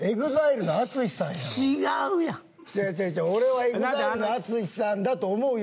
ＥＸＩＬＥのＡＴＳＵＳＨＩさんやろう。